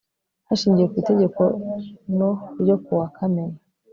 hashingiwe ku itegeko no ryo ku wa kamena